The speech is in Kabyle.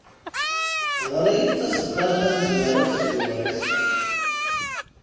Ɣer-iyi-d taseddart tamezwarut seg uḍris.